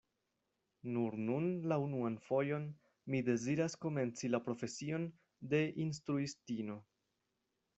Nur nun la unuan fojon mi deziras komenci la profesion de instruistino.